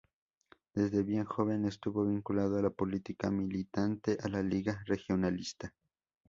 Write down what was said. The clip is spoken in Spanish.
Desde bien joven estuvo vinculado a la política, militante a la Lliga Regionalista.